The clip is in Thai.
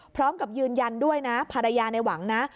พร้อมกับยืนยันด้วยนะภรรยาในหวังนะ